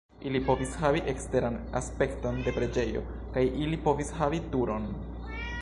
Ili povis havi eksteran aspekton de preĝejo kaj ili povis havi turon.